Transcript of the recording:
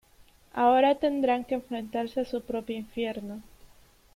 Ahora tendrá que enfrentarse a su propio infierno.